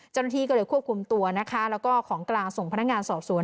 เจ้าหน้าที่ก็เลยควบคุมตัวนะคะแล้วก็ของกลางส่งพนักงานสอบสวน